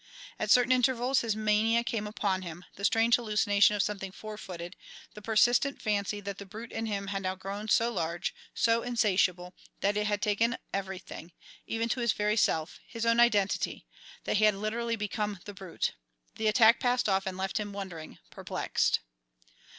At certain intervals his mania came upon him, the strange hallucination of something four footed, the persistent fancy that the brute in him had now grown so large, so insatiable, that it had taken everything, even to his very self, his own identity that he had literally become the brute. The attack passed off and left him wondering, perplexed.